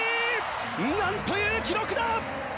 何という記録だ！